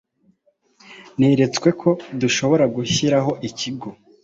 Neretswe ko tugomba gushyiraho ikigo